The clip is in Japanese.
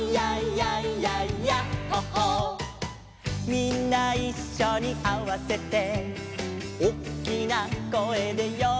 「みんないっしょにあわせて」「おっきな声で呼んだら」